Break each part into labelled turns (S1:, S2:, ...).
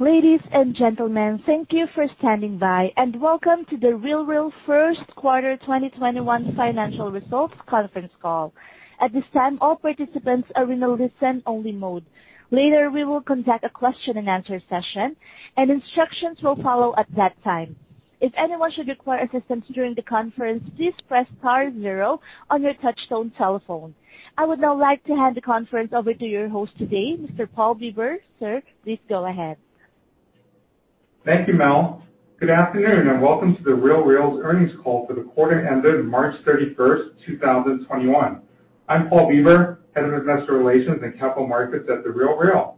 S1: Ladies and gentlemen, thank you for standing by, and welcome to The RealReal first quarter 2021 financial results conference call. At this time, all participants are in a listen-only mode. Later, we will conduct a question and answer session, and instructions will follow at that time. If anyone should require assistance during the conference, please press star zero on your touchtone telephone. I would now like to hand the conference over to your host today, Mr. Paul Bieber. Sir, please go ahead.
S2: Thank you, Mel. Good afternoon, and welcome to The RealReal's earnings call for the quarter ended March 31st, 2021. I'm Paul Bieber, head of investor relations and capital markets at The RealReal.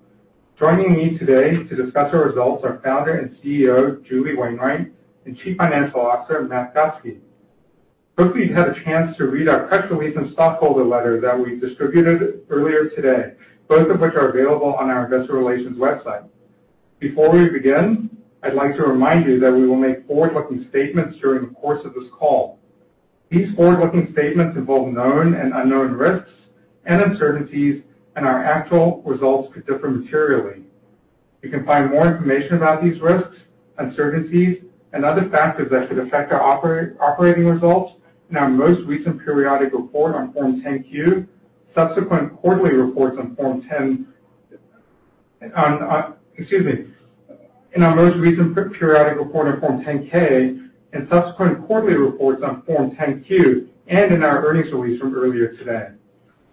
S2: Joining me today to discuss our results are founder and CEO, Julie Wainwright, and Chief Financial Officer, Matt Gustke. Hopefully, you've had a chance to read our press release and stockholder letter that we distributed earlier today, both of which are available on our investor relations website. Before we begin, I'd like to remind you that we will make forward-looking statements during the course of this call. These forward-looking statements involve known and unknown risks and uncertainties, and our actual results could differ materially. You can find more information about these risks, uncertainties, and other factors that could affect our operating results in our most recent periodic report on Form 10-K and subsequent quarterly reports on Form 10-Q, and in our earnings release from earlier today.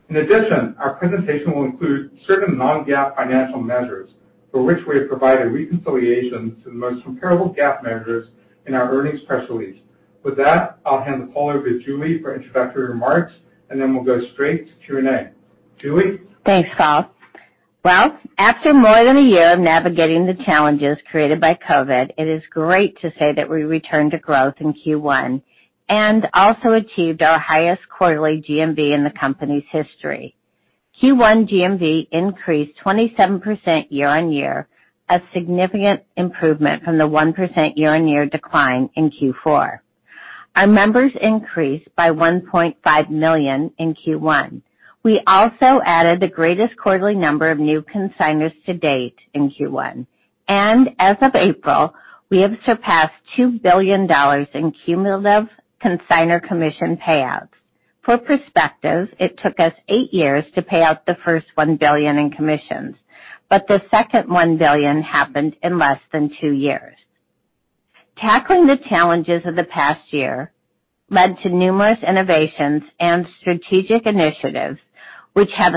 S2: In addition, our presentation will include certain non-GAAP financial measures, for which we have provided reconciliations to the most comparable GAAP measures in our earnings press release. With that, I'll hand the call over to Julie for introductory remarks, and then we'll go straight to Q&A. Julie?
S3: Thanks, Paul. Well, after more than a year of navigating the challenges created by COVID, it is great to say that we returned to growth in Q1, and also achieved our highest quarterly GMV in the company's history. Q1 GMV increased 27% year-on-year, a significant improvement from the 1% year-on-year decline in Q4. Our members increased by 1.5 million in Q1. We also added the greatest quarterly number of new consignors to date in Q1. As of April, we have surpassed $2 billion in cumulative consignor commission payouts. For perspective, it took us eight years to pay out the first $1 billion in commissions, but the second $1 billion happened in less than two years. Tackling the challenges of the past year led to numerous innovations and strategic initiatives, which have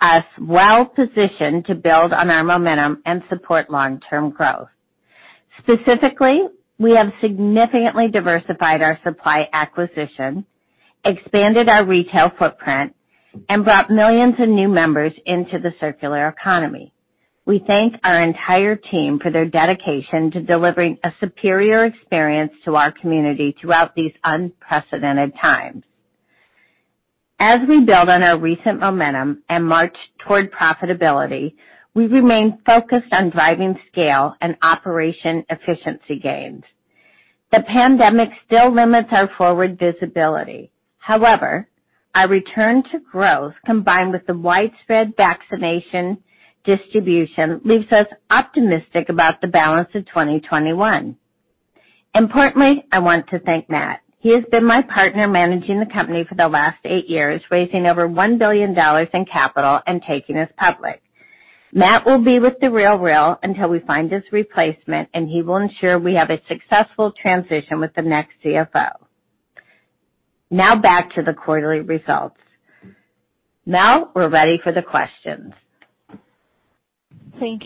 S3: us well-positioned to build on our momentum and support long-term growth. Specifically, we have significantly diversified our supply acquisition, expanded our retail footprint, and brought millions of new members into the circular economy. We thank our entire team for their dedication to delivering a superior experience to our community throughout these unprecedented times. As we build on our recent momentum and march toward profitability, we remain focused on driving scale and operation efficiency gains. The pandemic still limits our forward visibility. Our return to growth, combined with the widespread vaccination distribution, leaves us optimistic about the balance of 2021. Importantly, I want to thank Matt. He has been my partner managing the company for the last eight years, raising over $1 billion in capital and taking us public. Matt will be with The RealReal until we find his replacement, and he will ensure we have a successful transition with the next CFO. Back to the quarterly results. Now, we're ready for the questions.
S1: Thank you. First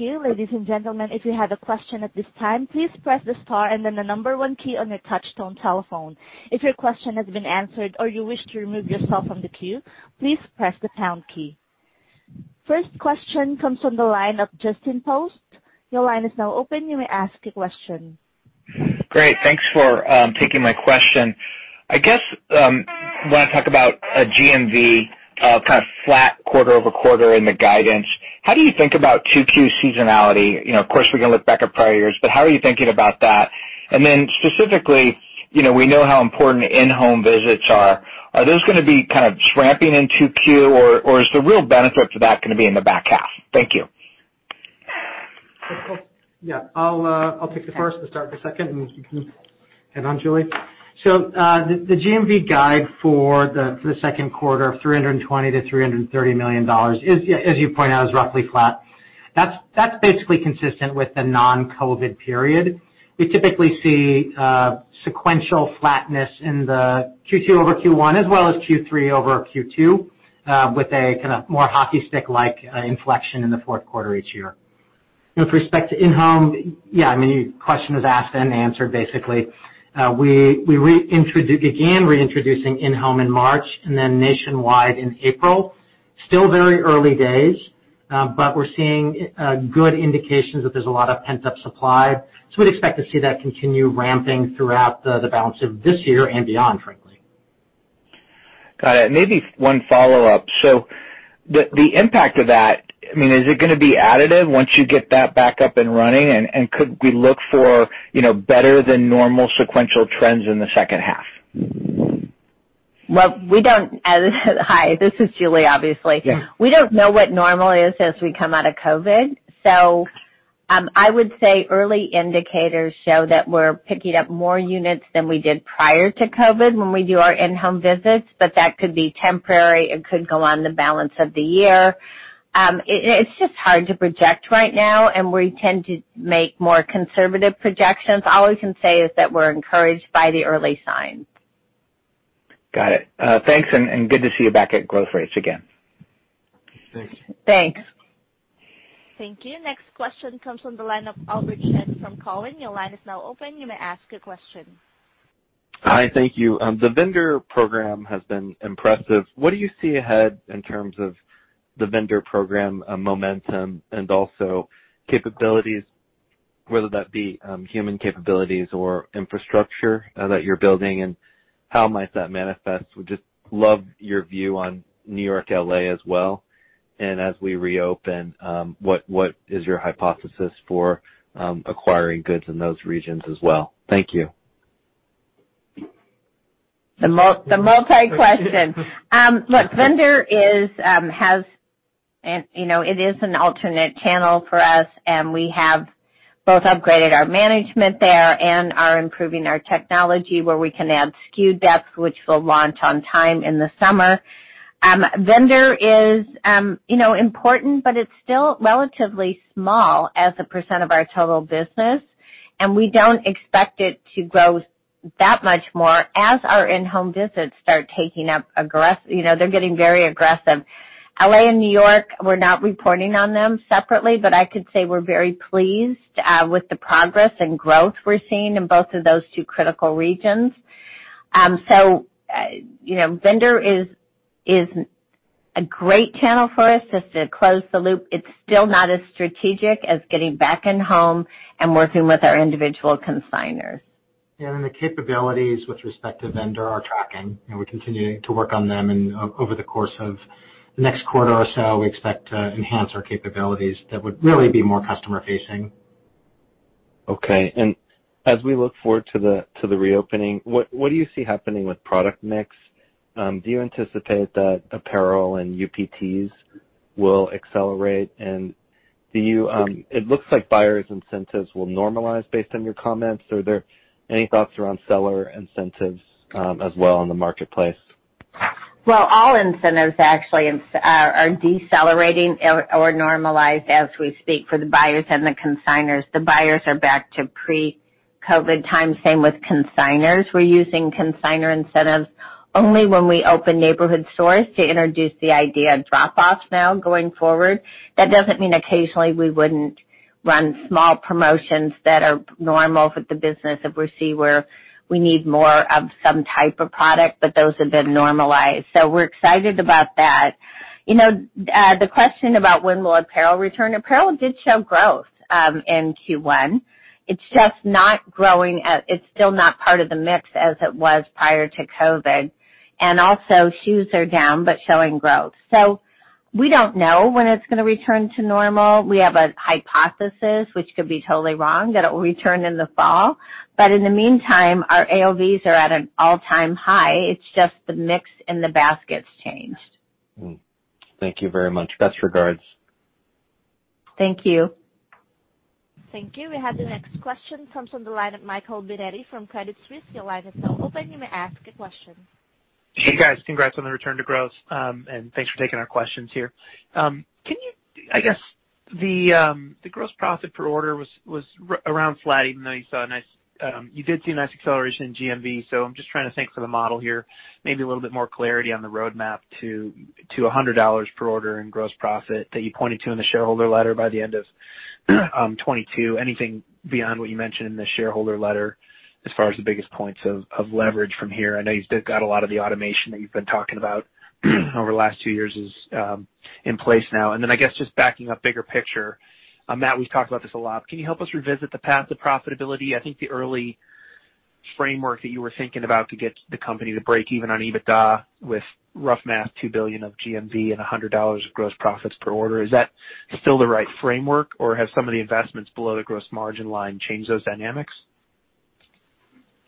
S1: question comes from the line of Justin Post. Your line is now open, you may ask your question.
S4: Great. Thanks for taking my question. I guess when I talk about a GMV kind of flat quarter-over-quarter in the guidance, how do you think about Q2 seasonality? Of course, we can look back at prior years, but how are you thinking about that? Specifically, we know how important in-home visits are. Are those going to be kind of ramping in Q2, or is the real benefit to that going to be in the back half? Thank you.
S5: Yeah. I'll take the first and start the second, you can head on, Julie. The GMV guide for the second quarter of $320 million-$330 million, as you point out, is roughly flat. That's basically consistent with the non-COVID period. We typically see sequential flatness in the Q2 over Q1, as well as Q3 over Q2, with a kind of more hockey stick-like inflection in the fourth quarter each year. With respect to in-home, yeah, I mean, your question was asked and answered, basically. We began reintroducing in-home in March, nationwide in April. Still very early days. We're seeing good indications that there's a lot of pent-up supply. We'd expect to see that continue ramping throughout the balance of this year and beyond, frankly.
S4: Got it. Maybe one follow-up. The impact of that, I mean, is it going to be additive once you get that back up and running? Could we look for better than normal sequential trends in the second half?
S3: Well, hi, this is Julie, obviously.
S4: Yeah.
S3: We don't know what normal is as we come out of COVID. I would say early indicators show that we're picking up more units than we did prior to COVID when we do our in-home visits, but that could be temporary. It could go on the balance of the year. It's just hard to project right now. We tend to make more conservative projections. All we can say is that we're encouraged by the early signs.
S4: Got it. Thanks, and good to see you back at growth rates again.
S3: Thanks.
S1: Thank you. Next question comes from the line of Oliver Chen from Cowen.
S6: Hi. Thank you. The vendor program has been impressive. What do you see ahead in terms of the vendor program momentum and also capabilities, whether that be human capabilities or infrastructure that you're building, and how might that manifest? Would just love your view on New York, L.A. as well. As we reopen, what is your hypothesis for acquiring goods in those regions as well? Thank you.
S3: Look, vendor is an alternate channel for us, and we have both upgraded our management there and are improving our technology where we can add SKU depth, which will launch on time in the summer. Vendor is important, but it's still relatively small as a % of our total business, and we don't expect it to grow that much more as our in-home visits start taking up. They're getting very aggressive. L.A. and N.Y., we're not reporting on them separately, but I could say we're very pleased with the progress and growth we're seeing in both of those two critical regions. Vendor is a great channel for us just to close the loop. It's still not as strategic as getting back in home and working with our individual consignors.
S5: Yeah. The capabilities with respect to vendor are tracking, and we're continuing to work on them. Over the course of the next quarter or so, we expect to enhance our capabilities that would really be more customer-facing.
S6: Okay. As we look forward to the reopening, what do you see happening with product mix? Do you anticipate that apparel and UPTs will accelerate? It looks like buyer's incentives will normalize based on your comments. Are there any thoughts around seller incentives as well in the marketplace?
S3: Well, all incentives actually are decelerating or normalized as we speak for the buyers and the consignors. The buyers are back to pre-COVID times. Same with consignors. We're using consignor incentives only when we open neighborhood stores to introduce the idea of drop-offs now going forward. That doesn't mean occasionally we wouldn't run small promotions that are normal for the business if we see where we need more of some type of product, but those have been normalized. We're excited about that. The question about when will apparel return. Apparel did show growth in Q1. It's just not growing. It's still not part of the mix as it was prior to COVID. Also, shoes are down, but showing growth. We don't know when it's going to return to normal. We have a hypothesis, which could be totally wrong, that it will return in the fall. In the meantime, our AOV's are at an all-time high. It's just the mix in the baskets changed.
S6: Thank you very much. Best regards.
S3: Thank you.
S1: Thank you. We have the next question. Comes from the line of Michael Binetti from Credit Suisse. Your line is now open. You may ask a question.
S7: Hey, guys. Congrats on the return to growth, thanks for taking our questions here. I guess the gross profit per order was around flat, even though you did see a nice acceleration in GMV. I'm just trying to think through the model here. Maybe a little bit more clarity on the roadmap to $100 per order in gross profit that you pointed to in the shareholder letter by the end of 2022. Anything beyond what you mentioned in the shareholder letter as far as the biggest points of leverage from here? I know you've got a lot of the automation that you've been talking about over the last two years is in place now. I guess, just backing up bigger picture, Matt, we've talked about this a lot. Can you help us revisit the path to profitability? I think the early framework that you were thinking about to get the company to break even on EBITDA with rough math, $2 billion of GMV and $100 of gross profits per order. Is that still the right framework, or have some of the investments below the gross margin line changed those dynamics?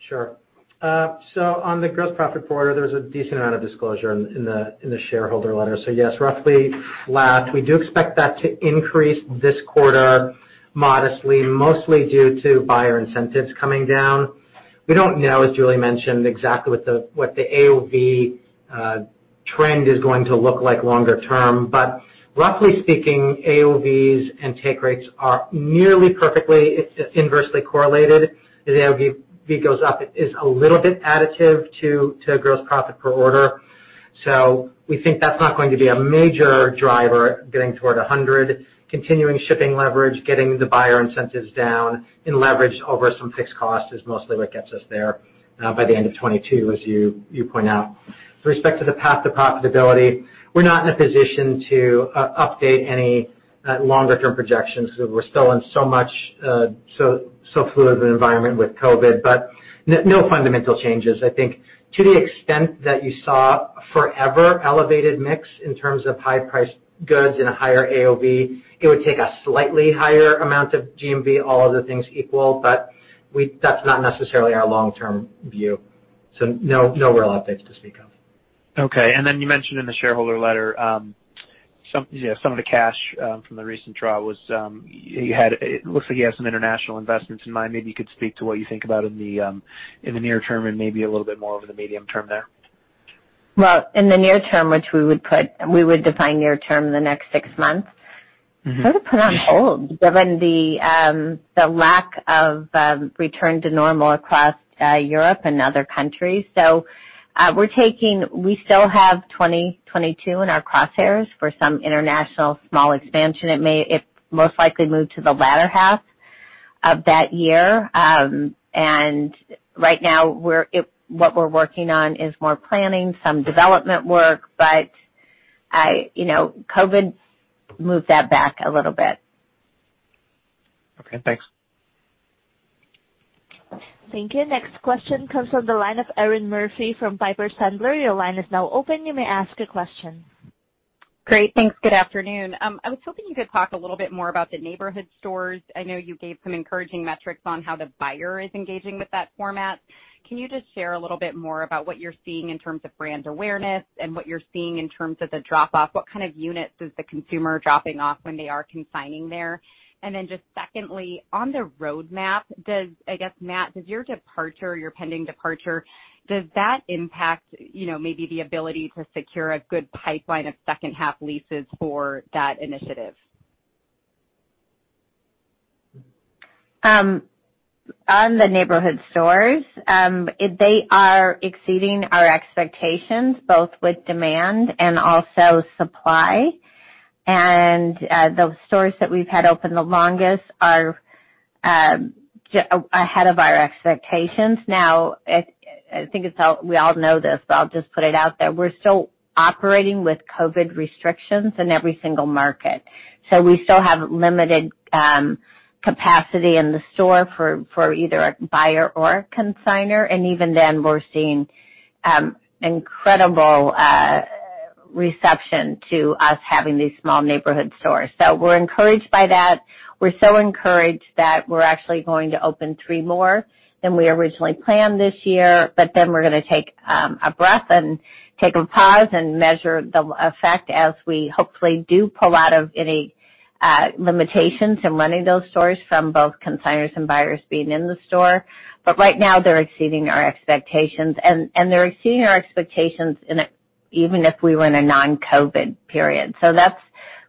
S5: Sure. On the gross profit per order, there was a decent amount of disclosure in the shareholder letter. Yes, roughly flat. We do expect that to increase this quarter modestly, mostly due to buyer incentives coming down. We don't know, as Julie mentioned, exactly what the AOV trend is going to look like longer term. Roughly speaking, AOVs and take rates are nearly perfectly inversely correlated. As AOV goes up, it is a little bit additive to gross profit per order. We think that's not going to be a major driver getting toward 100. Continuing shipping leverage, getting the buyer incentives down, and leverage over some fixed costs is mostly what gets us there by the end of 2022, as you point out. With respect to the path to profitability, we're not in a position to update any longer-term projections because we're still in so much fluid of an environment with COVID, but no fundamental changes. I think to the extent that you saw forever elevated mix in terms of high-priced goods and a higher AOV, it would take a slightly higher amount of GMV, all other things equal, but that's not necessarily our long-term view. No real updates to speak of.
S7: Okay. You mentioned in the shareholder letter. Yeah. Some of the cash from the recent draw, it looks like you have some international investments in mind. Maybe you could speak to what you think about in the near term and maybe a little bit more over the medium term there.
S3: Well, in the near term, which we would define near term, the next six months. sort of put on hold given the lack of return to normal across Europe and other countries. We still have 2022 in our crosshairs for some international small expansion. It may most likely move to the latter half of that year. Right now, what we're working on is more planning, some development work, but COVID moved that back a little bit.
S7: Okay, thanks.
S1: Thank you. Next question comes from the line of Erinn Murphy from Piper Sandler. Your line is now open. You may ask a question.
S8: Great. Thanks. Good afternoon. I was hoping you could talk a little bit more about the neighborhood stores. I know you gave some encouraging metrics on how the buyer is engaging with that format. Can you just share a little bit more about what you're seeing in terms of brand awareness and what you're seeing in terms of the drop-off? What kind of units is the consumer dropping off when they are consigning there? Then just secondly, on the roadmap, I guess, Matt, does your pending departure, does that impact maybe the ability to secure a good pipeline of second half leases for that initiative?
S3: On the neighborhood stores, they are exceeding our expectations, both with demand and also supply. Those stores that we've had open the longest are ahead of our expectations. I think we all know this, but I'll just put it out there. We're still operating with COVID restrictions in every single market. We still have limited capacity in the store for either a buyer or a consigner. Even then, we're seeing incredible reception to us having these small neighborhood stores. We're encouraged by that. We're so encouraged that we're actually going to open three more than we originally planned this year. Then we're going to take a breath and take a pause and measure the effect as we hopefully do pull out of any limitations in running those stores from both consigners and buyers being in the store. Right now, they're exceeding our expectations, and they're exceeding our expectations even if we were in a non-COVID period. That's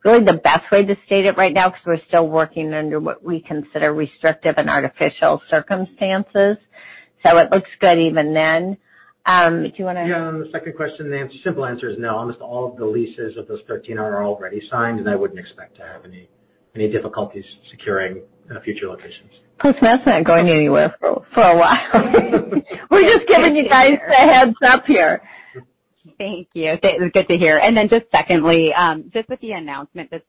S3: really the best way to state it right now, because we're still working under what we consider restrictive and artificial circumstances. It looks good even then. Do you want to?
S5: Yeah, on the second question, the simple answer is no. Almost all of the leases of those 13 are already signed, and I wouldn't expect to have any difficulties securing future locations.
S3: Plus, Matt's not going anywhere for a while. We're just giving you guys a heads up here.
S8: Thank you. Good to hear. Just secondly, just with the announcement this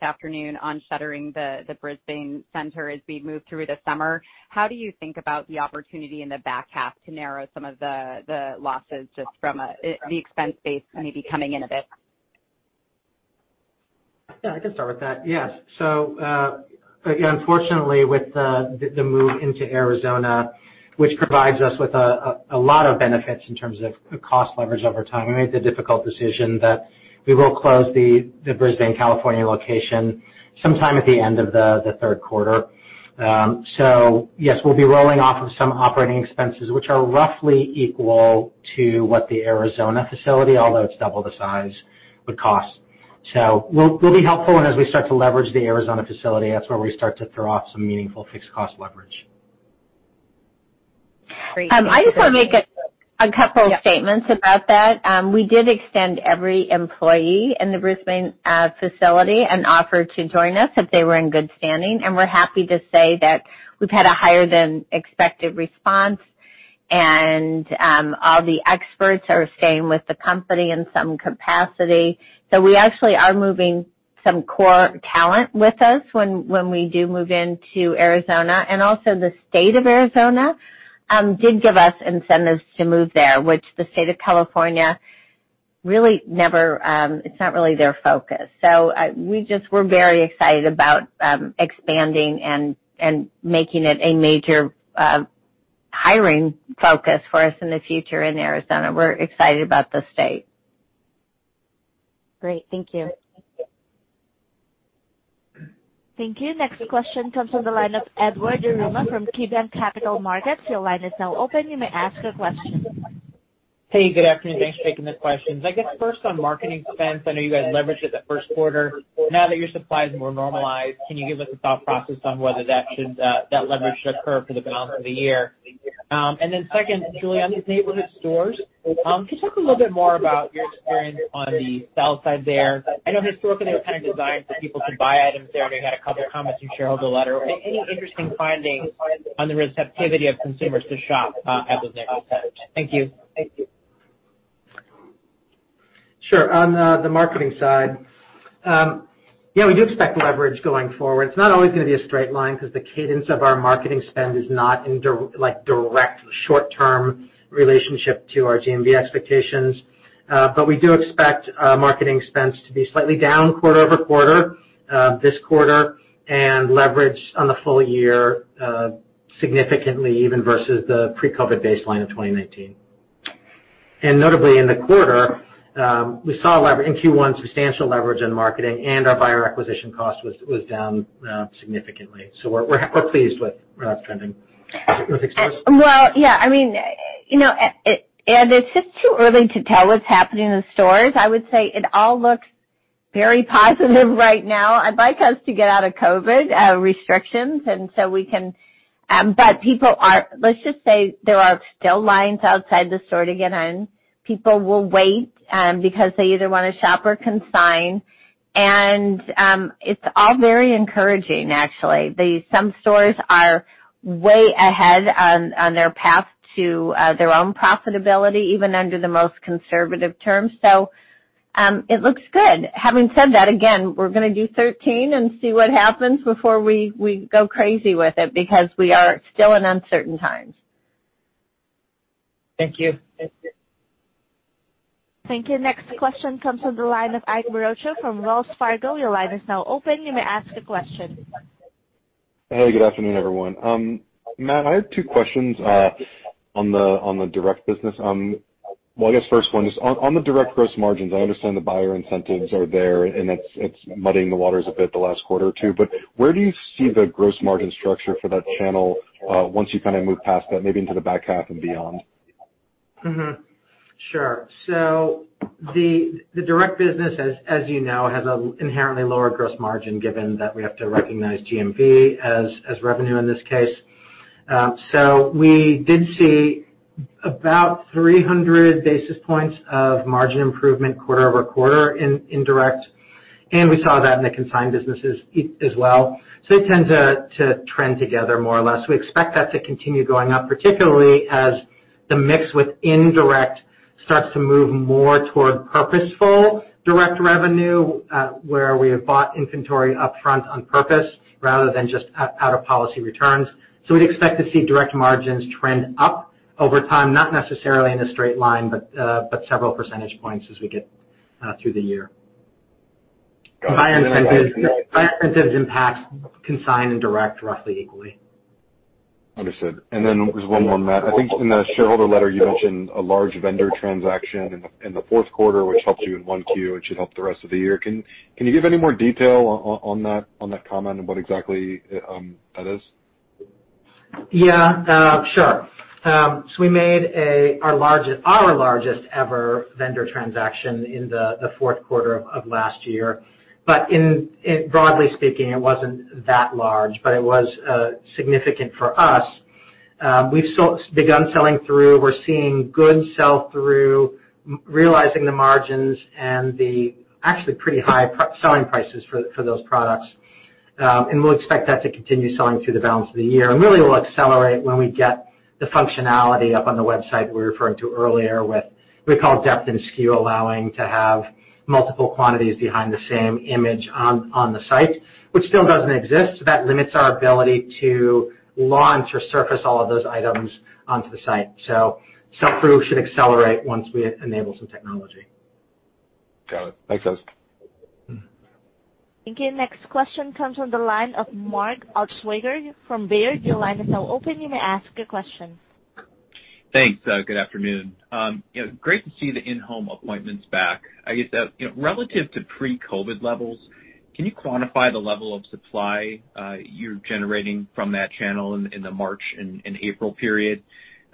S8: afternoon on shuttering the Brisbane center as we move through the summer, how do you think about the opportunity in the back half to narrow some of the losses just from the expense base maybe coming in a bit?
S5: Yeah, I can start with that. Yes. Unfortunately, with the move into Arizona, which provides us with a lot of benefits in terms of cost leverage over time, we made the difficult decision that we will close the Brisbane, California, location sometime at the end of the third quarter. Yes, we'll be rolling off of some operating expenses, which are roughly equal to what the Arizona facility, although it's double the size, would cost. We'll be helpful, and as we start to leverage the Arizona facility, that's where we start to throw off some meaningful fixed cost leverage.
S8: Great.
S3: I just want to make a couple of statements about that. We did extend every employee in the Brisbane facility an offer to join us if they were in good standing, and we're happy to say that we've had a higher than expected response. All the experts are staying with the company in some capacity. We actually are moving some core talent with us when we do move into Arizona. Also, the state of Arizona did give us incentives to move there, which the state of California, it's not really their focus. We're very excited about expanding and making it a major hiring focus for us in the future in Arizona. We're excited about the state.
S8: Great. Thank you.
S1: Thank you. Next question comes from the line of Edward Yruma from KeyBanc Capital Markets. Your line is now open. You may ask a question.
S9: Hey, good afternoon. Thanks for taking the questions. I guess first on marketing expense, I know you guys leveraged it the first quarter. Now that your supply is more normalized, can you give us a thought process on whether that leverage should occur for the balance of the year? Then second, Julie, on the neighborhood stores, can you talk a little bit more about your experience on the sell side there? I know historically they were kind of designed for people to buy items there. I know you had a couple comments in shareholder letter. Any interesting findings on the receptivity of consumers to shop at those neighborhood stores? Thank you.
S5: Sure. On the marketing side, yeah, we do expect leverage going forward. It's not always going to be a straight line because the cadence of our marketing spend is not in direct short-term relationship to our GMV expectations. We do expect marketing expense to be slightly down quarter-over-quarter this quarter and leverage on the full year, significantly even versus the pre-COVID baseline of 2019. Notably in the quarter, we saw, in Q1, substantial leverage in marketing, and our buyer acquisition cost was down significantly. We're pleased with that trending. What do you think, Julie?
S3: Well, yeah. It's just too early to tell what's happening in the stores. I would say it all looks very positive right now. I'd like us to get out of COVID restrictions. Let's just say there are still lines outside the store to get in. People will wait, because they either want to shop or consign, and it's all very encouraging, actually. Some stores are way ahead on their path to their own profitability, even under the most conservative terms. It looks good. Having said that, again, we're going to do 13 and see what happens before we go crazy with it, because we are still in uncertain times.
S5: Thank you.
S1: Thank you. Next question comes from the line of Ike Boruchow from Wells Fargo. Your line is now open. You may ask a question.
S10: Hey, good afternoon, everyone. Matt, I have two questions on the direct business. Well, I guess first one is, on the direct gross margins, I understand the buyer incentives are there, and it's muddying the waters a bit the last quarter too. Where do you see the gross margin structure for that channel once you kind of move past that, maybe into the back half and beyond?
S5: Sure. The direct business, as you know, has an inherently lower gross margin, given that we have to recognize GMV as revenue in this case. We did see about 300 basis points of margin improvement quarter-over-quarter in direct, and we saw that in the consigned businesses as well. They tend to trend together more or less. We expect that to continue going up, particularly as the mix with indirect starts to move more toward purposeful direct revenue, where we have bought inventory upfront on purpose rather than just out of policy returns. We'd expect to see direct margins trend up over time, not necessarily in a straight line, but several percentage points as we get through the year.
S10: Got it.
S5: Buyer incentives impact consign and direct roughly equally.
S10: Understood. Just one more, Matt. I think in the shareholder letter, you mentioned a large vendor transaction in the fourth quarter, which helped you in 1Q. It should help the rest of the year. Can you give any more detail on that comment and what exactly that is?
S5: Yeah. Sure. We made our largest ever vendor transaction in the 4th quarter of last year. Broadly speaking, it wasn't that large, but it was significant for us. We've begun selling through. We're seeing good sell-through, realizing the margins and the actually pretty high selling prices for those products. We'll expect that to continue selling through the balance of the year. Really, will accelerate when we get the functionality up on the website we were referring to earlier with, we call it depth and SKU, allowing to have multiple quantities behind the same image on the site, which still doesn't exist. That limits our ability to launch or surface all of those items onto the site. Sell-through should accelerate once we enable some technology.
S10: Got it. Thanks, guys.
S1: Okay, next question comes from the line of Mark Altschwager from Baird. Your line is now open. You may ask your question.
S11: Thanks. Good afternoon. Great to see the in-home appointments back. I guess that, relative to pre-COVID levels, can you quantify the level of supply you're generating from that channel in the March and April period?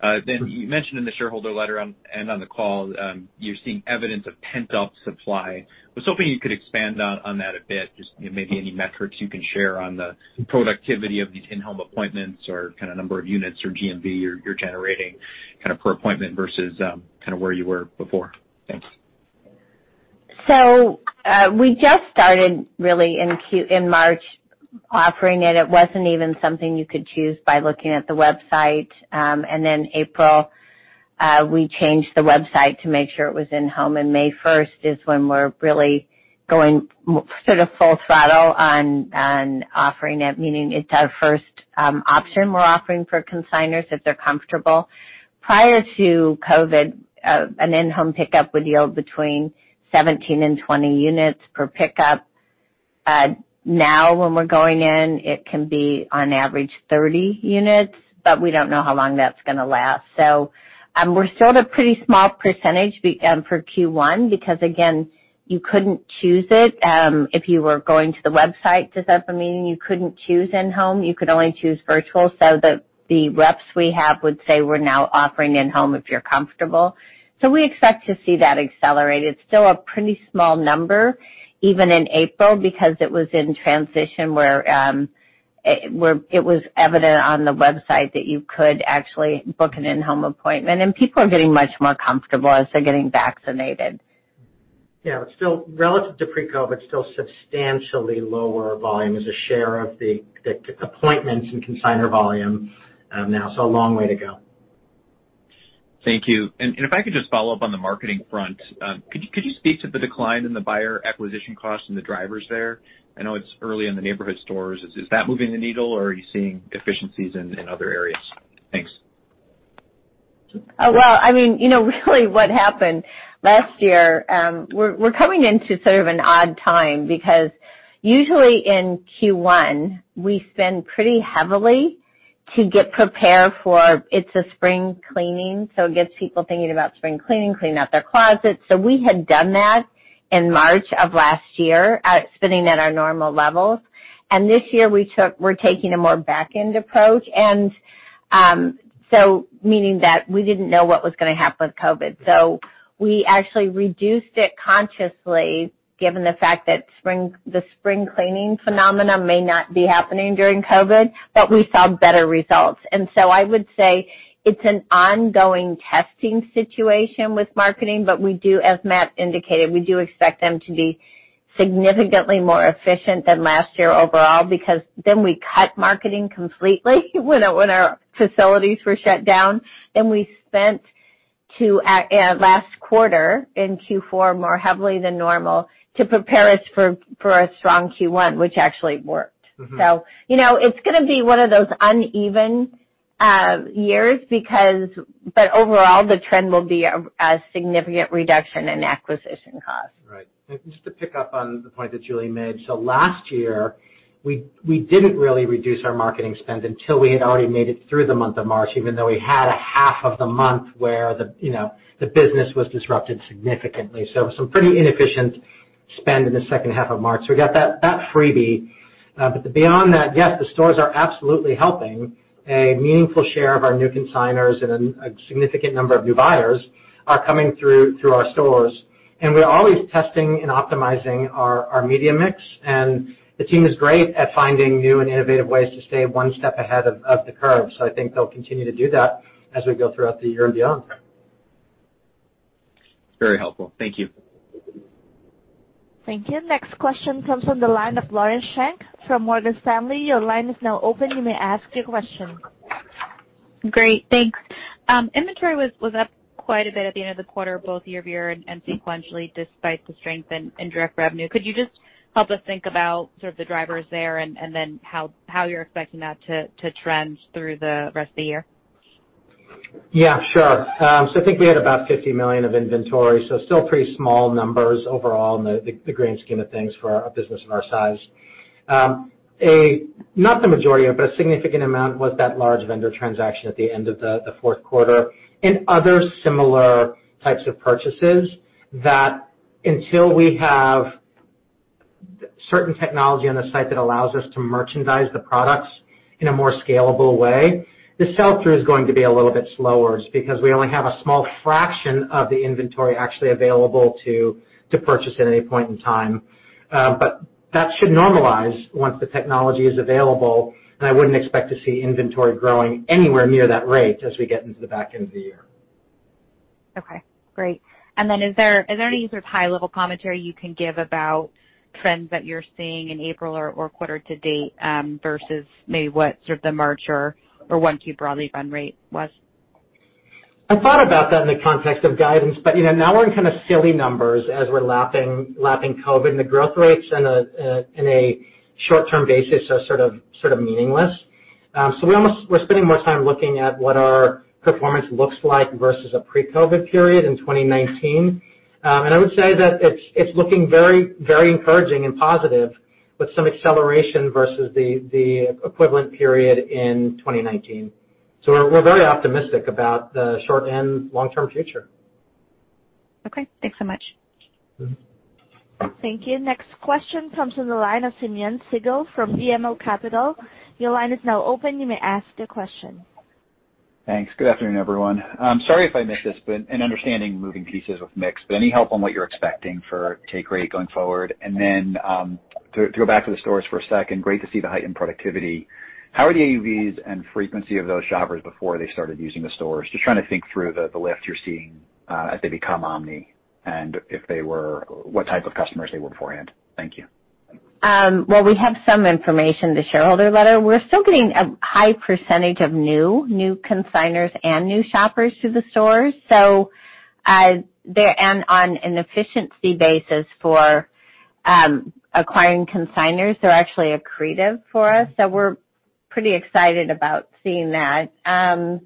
S11: You mentioned in the shareholder letter and on the call, you're seeing evidence of pent-up supply. I was hoping you could expand on that a bit. Just maybe any metrics you can share on the productivity of these in-home appointments or kind of number of units or GMV you're generating per appointment versus where you were before. Thanks.
S3: We just started really in March offering it. It wasn't even something you could choose by looking at the website. April, we changed the website to make sure it was in-home, and May 1st is when we're really going sort of full throttle on offering it, meaning it's our first option we're offering for consigners if they're comfortable. Prior to COVID, an in-home pickup would yield between 17 and 20 units per pickup. Now when we're going in, it can be on average 30 units, but we don't know how long that's going to last. We're still at a pretty small percentage for Q1 because again, you couldn't choose it if you were going to the website, does that mean you couldn't choose in-home. You could only choose virtual. The reps we have would say, "We're now offering in-home if you're comfortable." We expect to see that accelerate. It's still a pretty small number, even in April, because it was in transition where it was evident on the website that you could actually book an in-home appointment, and people are getting much more comfortable as they're getting vaccinated.
S5: Yeah. Relative to pre-COVID, still substantially lower volume as a share of the appointments and consignor volume now. A long way to go.
S11: Thank you. If I could just follow up on the marketing front. Could you speak to the decline in the buyer acquisition cost and the drivers there? I know it's early in the neighborhood stores. Is that moving the needle, or are you seeing efficiencies in other areas? Thanks.
S3: Oh, well, really what happened last year, we're coming into sort of an odd time because usually in Q1, we spend pretty heavily to get prepared for. It's a spring cleaning, so it gets people thinking about spring cleaning out their closets. We had done that in March of last year, spending at our normal levels. This year, we're taking a more back-end approach, meaning that we didn't know what was going to happen with COVID. We actually reduced it consciously, given the fact that the spring cleaning phenomenon may not be happening during COVID, we saw better results. I would say it's an ongoing testing situation with marketing, we do, as Matt indicated, we do expect them to be significantly more efficient than last year overall, because we cut marketing completely when our facilities were shut down. We spent last quarter, in Q4, more heavily than normal to prepare us for a strong Q1, which actually worked. It's going to be one of those uneven years, but overall, the trend will be a significant reduction in acquisition costs.
S5: Right. Just to pick up on the point that Julie made. Last year, we didn't really reduce our marketing spend until we had already made it through the month of March, even though we had a half of the month where the business was disrupted significantly. Some pretty inefficient spend in the second half of March. We got that freebie. Beyond that, yes, the stores are absolutely helping. A meaningful share of our new consignors and a significant number of new buyers are coming through our stores. We're always testing and optimizing our media mix, and the team is great at finding new and innovative ways to stay one step ahead of the curve. I think they'll continue to do that as we go throughout the year and beyond.
S11: Very helpful. Thank you.
S1: Thank you. Next question comes from the line of Lauren Schenk from Morgan Stanley. Your line is now open. You may ask your question.
S12: Great. Thanks. Inventory was up quite a bit at the end of the quarter, both year-over-year and sequentially, despite the strength in direct revenue. Could you just help us think about sort of the drivers there, and then how you're expecting that to trend through the rest of the year?
S5: Yeah, sure. I think we had about $50 million of inventory, still pretty small numbers overall in the grand scheme of things for a business of our size. Not the majority of it, but a significant amount was that large vendor transaction at the end of the fourth quarter, and other similar types of purchases that, until we have certain technology on the site that allows us to merchandise the products in a more scalable way, the sell-through is going to be a little bit slower because we only have a small fraction of the inventory actually available to purchase at any point in time. That should normalize once the technology is available, and I wouldn't expect to see inventory growing anywhere near that rate as we get into the back end of the year.
S12: Okay, great. Is there any sort of high level commentary you can give about trends that you're seeing in April or quarter-to-date, versus maybe what sort of the March or 1Q broadly run rate was?
S5: I thought about that in the context of guidance, but now we're in kind of silly numbers as we're lapping COVID, and the growth rates in a short-term basis are sort of meaningless. We're spending more time looking at what our performance looks like versus a pre-COVID period in 2019. I would say that it's looking very encouraging and positive, with some acceleration versus the equivalent period in 2019. We're very optimistic about the short and long-term future.
S12: Okay. Thanks so much.
S1: Thank you. Next question comes from the line of Simeon Siegel from BMO Capital.
S13: Thanks. Good afternoon, everyone. Sorry if I missed this, and understanding moving pieces with mix, but any help on what you're expecting for take rate going forward? To go back to the stores for a second, great to see the heightened productivity. How are the AOVs and frequency of those shoppers before they started using the stores? Just trying to think through the lift you're seeing as they become omni, and what type of customers they were beforehand. Thank you.
S3: Well, we have some information in the shareholder letter. We're still getting a high percentage of new consignors and new shoppers to the stores. On an efficiency basis for acquiring consignors, they're actually accretive for us, so we're pretty excited about seeing that. On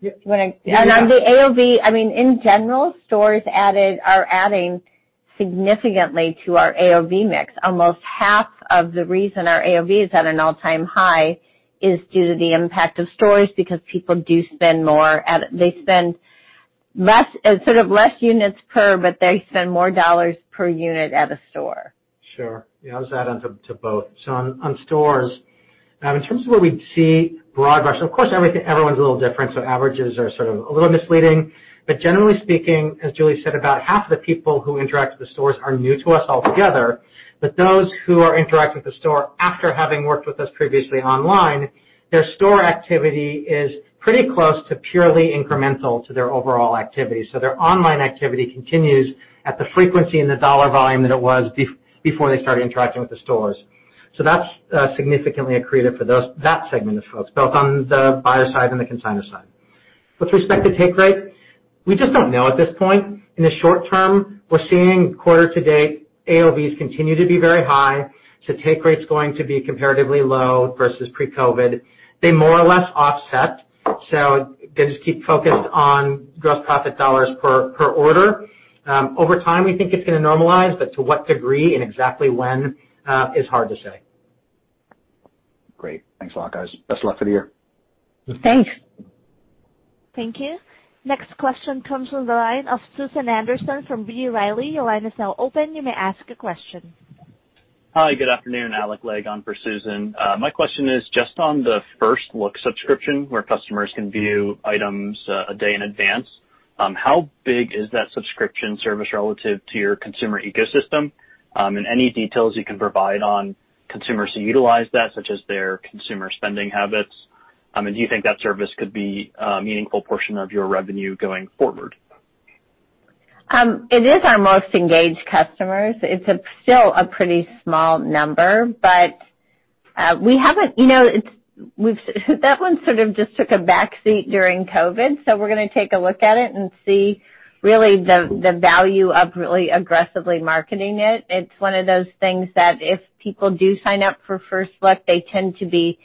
S3: the AOV, in general, stores are adding significantly to our AOV mix. Almost half of the reason our AOV is at an all-time high is due to the impact of stores, because people do spend more at, they spend sort of less units per, but they spend more dollars per unit at a store.
S5: Sure. Yeah, I'll just add on to both. On stores, in terms of what we see broad brush, of course, everyone's a little different, so averages are sort of a little misleading. Generally speaking, as Julie said, about half the people who interact with the stores are new to us altogether. Those who are interacting with the store after having worked with us previously online, their store activity is pretty close to purely incremental to their overall activity. Their online activity continues at the frequency and the dollar volume that it was before they started interacting with the stores. That's significantly accretive for that segment of folks, both on the buyer side and the consignor side. With respect to take rate, we just don't know at this point. In the short term, we're seeing quarter to date, AOVs continue to be very high. Take rate's going to be comparatively low versus pre-COVID. They more or less offset. They just keep focused on gross profit dollars per order. Over time, we think it's going to normalize, but to what degree and exactly when is hard to say.
S13: Great. Thanks a lot, guys. Best of luck for the year.
S3: Thanks.
S1: Thank you. Next question comes from the line of Susan Anderson from B. Riley. Your line is now open. You may ask a question.
S14: Hi, good afternoon. Alec Legg for Susan. My question is just on the First Look subscription, where customers can view items a day in advance. How big is that subscription service relative to your consumer ecosystem? Any details you can provide on consumers who utilize that, such as their consumer spending habits. Do you think that service could be a meaningful portion of your revenue going forward?
S3: It is our most engaged customers. It's still a pretty small number, but that one sort of just took a back seat during COVID, so we're going to take a look at it and see really the value of really aggressively marketing it. It's one of those things that if people do sign up for First Look, they tend to be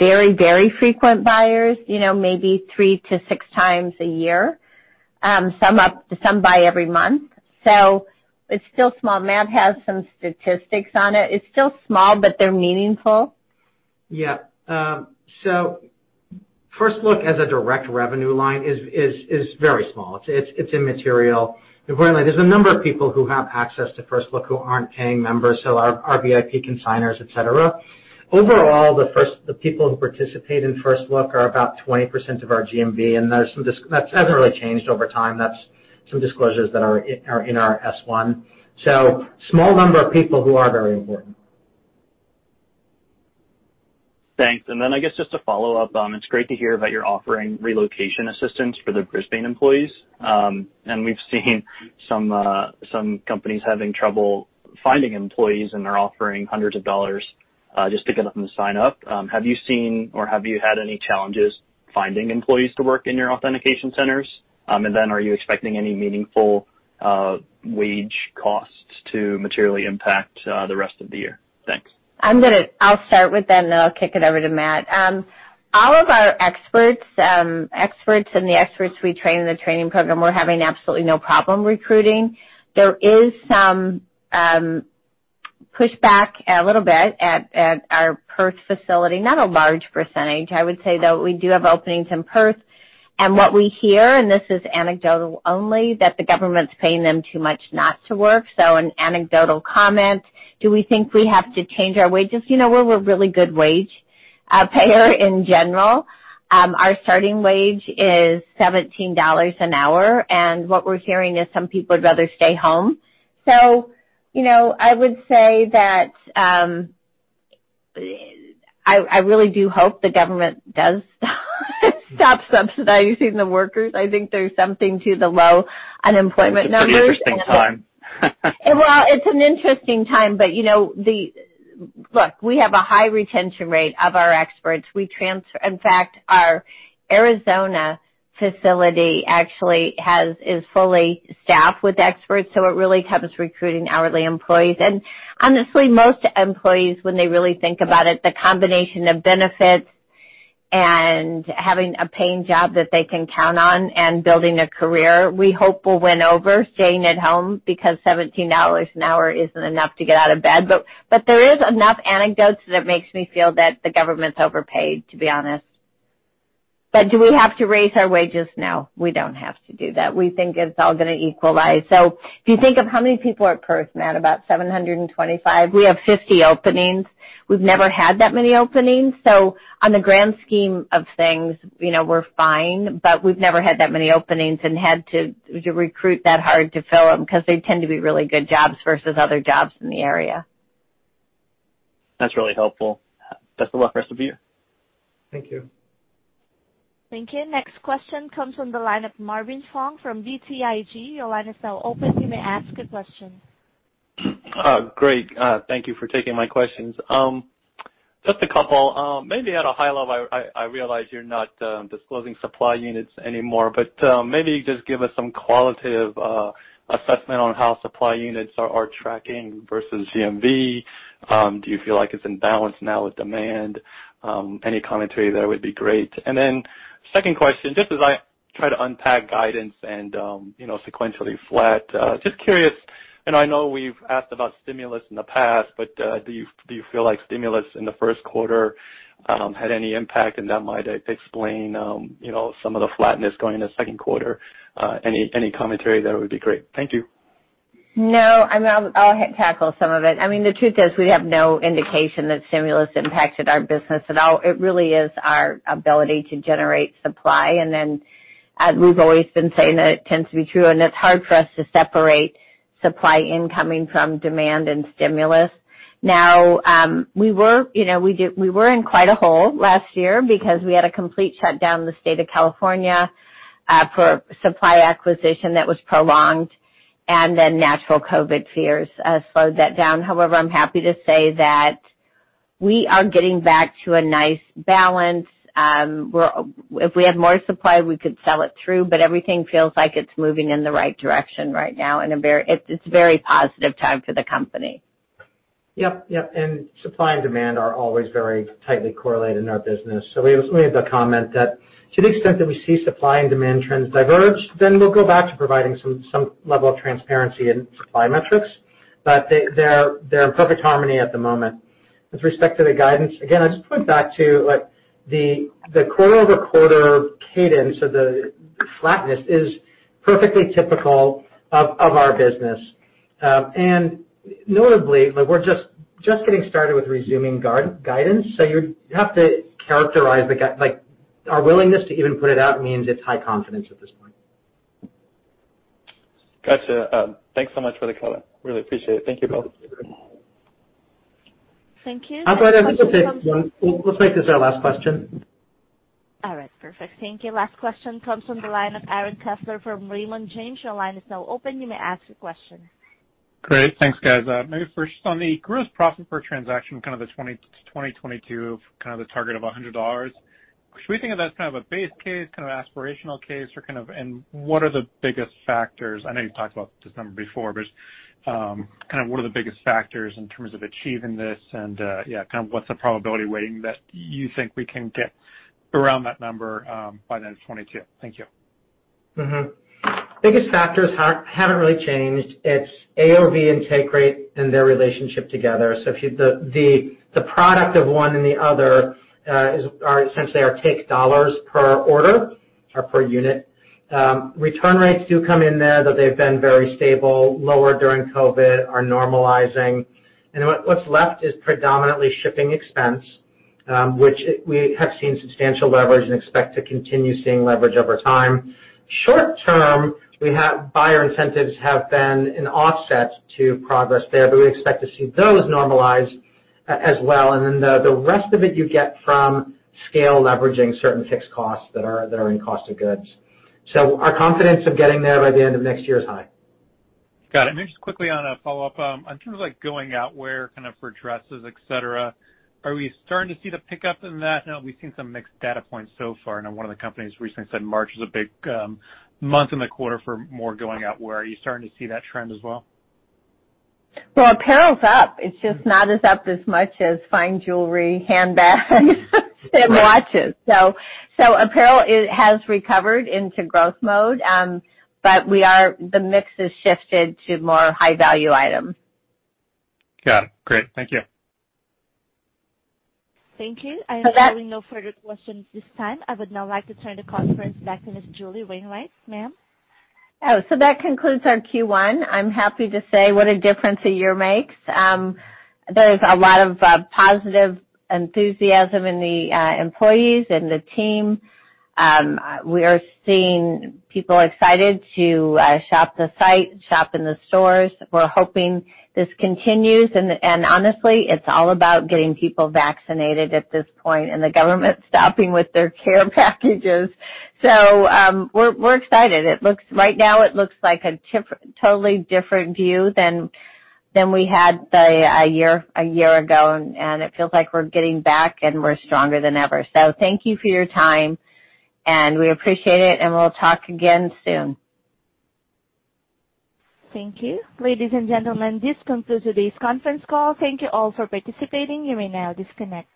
S3: very frequent buyers, maybe three to six times a year. Some buy every month. It's still small. Matt has some statistics on it. It's still small, but they're meaningful.
S5: Yeah. First Look as a direct revenue line is very small. It's immaterial. There's a number of people who have access to First Look who aren't paying members, so our VIP consignors, et cetera. Overall, the people who participate in First Look are about 20% of our GMV, and that hasn't really changed over time. That's some disclosures that are in our S1. Small number of people who are very important.
S14: Thanks. I guess just to follow up, it's great to hear that you're offering relocation assistance for the Brisbane employees. We've seen some companies having trouble finding employees, and they're offering hundreds of dollars, just to get them to sign up. Have you seen, or have you had any challenges finding employees to work in your authentication centers? Are you expecting any meaningful wage costs to materially impact the rest of the year? Thanks.
S3: I'll start with, then I'll kick it over to Matt. All of our experts, the experts we train in the training program, we're having absolutely no problem recruiting. There is some pushback, a little bit, at our Perth Amboy facility. Not a large percentage, I would say, though, we do have openings in Perth. What we hear, this is anecdotal only, that the government's paying them too much not to work. An anecdotal comment. Do we think we have to change our wages? We're a really good wage payer in general. Our starting wage is $17 an hour, what we're hearing is some people would rather stay home. I would say that, I really do hope the government does stop subsidizing the workers. I think there's something to the low unemployment numbers.
S14: It's a pretty interesting time.
S3: It's an interesting time. Look, we have a high retention rate of our experts. In fact, our Arizona facility actually is fully staffed with experts, so it really comes recruiting hourly employees. Honestly, most employees, when they really think about it, the combination of benefits and having a paying job that they can count on and building a career, we hope will win over staying at home because $17 an hour isn't enough to get out of bed. There is enough anecdotes that it makes me feel that the government's overpaid, to be honest. Do we have to raise our wages? No, we don't have to do that. We think it's all going to equalize. If you think of how many people are at Perth, Matt, about 725. We have 50 openings. We've never had that many openings. On the grand scheme of things, we're fine, but we've never had that many openings and had to recruit that hard to fill them because they tend to be really good jobs versus other jobs in the area.
S14: That's really helpful. Best of luck rest of the year.
S5: Thank you.
S1: Thank you. Next question comes from the line of Marvin Fong from BTIG. Your line is now open. You may ask a question.
S15: Great. Thank you for taking my questions. Just a couple. Maybe at a high level, I realize you're not disclosing supply units anymore, but maybe just give us some qualitative assessment on how supply units are tracking versus GMV. Do you feel like it's in balance now with demand? Any commentary there would be great. Second question, just as I try to unpack guidance and sequentially flat, just curious, and I know we've asked about stimulus in the past, but, do you feel like stimulus in the first quarter had any impact, and that might explain some of the flatness going into second quarter? Any commentary there would be great. Thank you.
S3: No, I'll tackle some of it. The truth is, we have no indication that stimulus impacted our business at all. It really is our ability to generate supply. As we've always been saying that it tends to be true, and it's hard for us to separate supply incoming from demand and stimulus. Now, we were in quite a hole last year because we had a complete shutdown in the state of California for supply acquisition that was prolonged, and then natural COVID fears slowed that down. However, I'm happy to say that we are getting back to a nice balance. If we had more supply, we could sell it through, but everything feels like it's moving in the right direction right now, and it's a very positive time for the company.
S5: Yep. Supply and demand are always very tightly correlated in our business. We have the comment that to the extent that we see supply and demand trends diverge, then we'll go back to providing some level of transparency in supply metrics. They're in perfect harmony at the moment. With respect to the guidance, again, I just point back to the quarter-over-quarter cadence of the flatness is perfectly typical of our business. Notably, we're just getting started with resuming guidance. You have to characterize, our willingness to even put it out means it's high confidence at this point.
S15: Got you. Thanks so much for the color. Really appreciate it. Thank you both.
S1: Thank you.
S5: Abha, I think we'll take one. Let's make this our last question.
S1: All right. Perfect. Thank you. Last question comes from the line of Aaron Kessler from Raymond James. Your line is now open. You may ask your question.
S16: Great. Thanks, guys. Maybe first on the gross profit per transaction, kind of the 2022 kind of the target of $100. Should we think of that as kind of a base case, kind of aspirational case? What are the biggest factors, I know you've talked about this number before, but kind of what are the biggest factors in terms of achieving this, and, yeah, kind of what's the probability weighting that you think we can get around that number by the end of 2022? Thank you.
S5: Biggest factors haven't really changed. It's AOV and take rate and their relationship together. The product of one and the other are essentially our take dollars per order or per unit. Return rates do come in there, but they've been very stable, lower during COVID, are normalizing. What's left is predominantly shipping expense, which we have seen substantial leverage and expect to continue seeing leverage over time. Short term, buyer incentives have been an offset to progress there, but we expect to see those normalize as well. The rest of it you get from scale leveraging certain fixed costs that are in cost of goods. Our confidence of getting there by the end of next year is high.
S16: Got it. Maybe just quickly on a follow-up. On terms of like going out, wear kind of for dresses, et cetera, are we starting to see the pickup in that now? We've seen some mixed data points so far. One of the companies recently said March is a big month in the quarter for more going out wear. Are you starting to see that trend as well?
S3: Well, apparel's up. It's just not as up as much as fine jewelry, handbags, and watches. Apparel, it has recovered into growth mode. The mix has shifted to more high-value items.
S16: Got it. Great. Thank you.
S1: Thank you. I am showing no further questions this time. I would now like to turn the conference back to Ms. Julie Wainwright. Ma'am?
S3: That concludes our Q1. I'm happy to say what a difference a year makes. There's a lot of positive enthusiasm in the employees and the team. We are seeing people excited to shop the site, shop in the stores. We're hoping this continues. Honestly, it's all about getting people vaccinated at this point, and the government stopping with their care packages. We're excited. Right now it looks like a totally different view than we had a year ago, and it feels like we're getting back, and we're stronger than ever. Thank you for your time, and we appreciate it, and we'll talk again soon.
S1: Thank you. Ladies and gentlemen, this concludes today's conference call. Thank you all for participating. You may now disconnect.